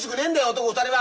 男２人は！